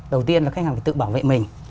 đầu tiên là khách hàng phải tự bảo vệ mình